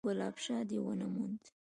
_ګلاب شاه دې ونه موند؟